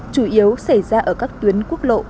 chủ yếu xảy ra ở các tuyến quốc lộ